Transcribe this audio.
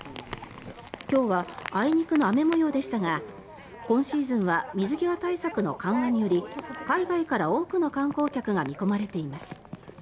今日はあいにくの雨模様でしたが今シーズンは水際対策の緩和により海外から多くの観光客が見込まれています。